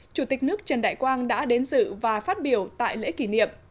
chủ tịch nước trần đại quang đã đến dự và phát biểu tại lễ kỷ niệm